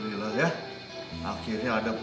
gue yang mau ke camper